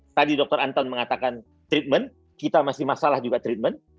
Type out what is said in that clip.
tadi dr anton mengatakan treatment kita masih masalah juga treatment